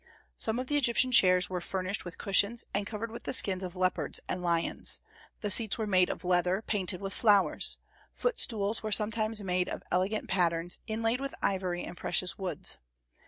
Some of the Egyptian chairs were furnished with cushions and covered with the skins of leopards and lions; the seats were made of leather, painted with flowers. Footstools were sometimes made of elegant patterns, inlaid with ivory and precious woods.